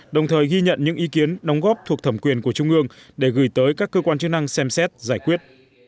đồng thời ghi nhận những ý kiến đóng góp thuộc thẩm quyền của trung ương để gửi tới các cơ quan chức năng xem xét giải quyết